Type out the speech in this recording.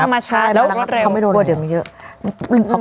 เอามาชาร์จรวดเร็ว